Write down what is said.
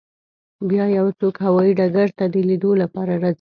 بیا یو څوک هوایی ډګر ته د لیدو لپاره راځي